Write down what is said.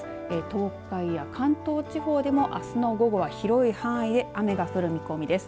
東海や関東地方でもあすの午後は広い範囲で雨が降る見込みです。